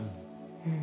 うん。